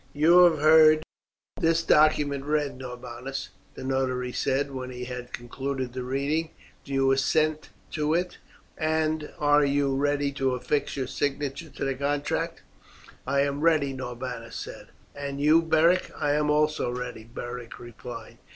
"You have heard this document read, Norbanus," the notary said, when he had concluded the reading. "Do you assent to it? And are you ready to affix your signature to the contract?" "I am ready," Norbanus said. "And you, Beric?" "I am also ready," Beric replied.